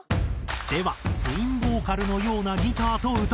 ではツインボーカルのようなギターと歌。